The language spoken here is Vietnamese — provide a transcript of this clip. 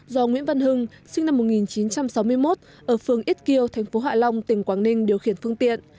do nguyễn văn hưng sinh năm một nghìn chín trăm sáu mươi một ở phường ít kiêu thành phố hạ long tỉnh quảng ninh điều khiển phương tiện